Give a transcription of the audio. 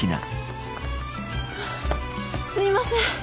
すいません。